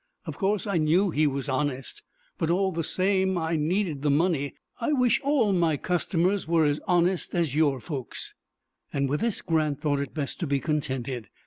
Of course I knew he was honest, but all the same I needed the money. I wish all my customers was as honest as your folks." With this Grant thought it best to be contented.